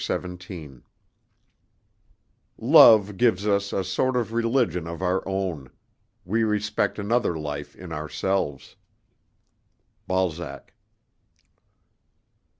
XVII Love gives us a sort of religion of our own; we respect another life in ourselves. BALZAC.